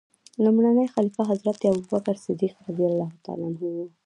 لومړنی خلیفه حضرت ابوبکر صدیق رض و.